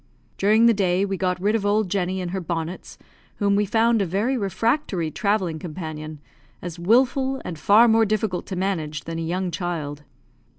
During the day, we got rid of old Jenny and her bonnets, whom we found a very refractory travelling companion; as wilful, and far more difficult to manage than a young child.